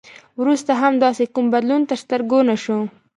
وروسته هم داسې کوم بدلون تر سترګو نه شو.